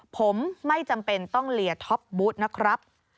ผมไม่จำเป็นต้องเลียท็อปบูธนะครับ